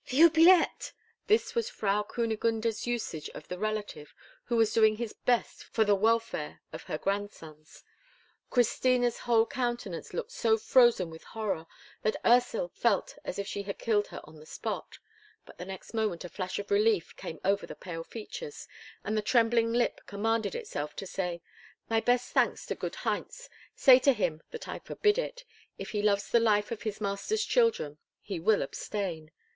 "The oubliette!" This was Frau Kunigunde's usage of the relative who was doing his best for the welfare of her grandsons! Christina's whole countenance looked so frozen with horror, that Ursel felt as if she had killed her on the spot; but the next moment a flash of relief came over the pale features, and the trembling lip commanded itself to say, "My best thanks to good Heinz. Say to him that I forbid it. If he loves the life of his master's children, he will abstain!